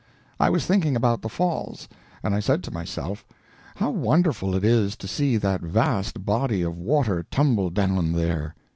I was thinking about the Falls, and I said to myself, "How wonderful it is to see that vast body of water tumble down there!"